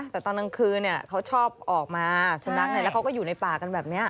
แต่ตอนกลางคืนเขาชอบออกมาสุนัขแล้วเขาก็อยู่ในป่ากันแบบนี้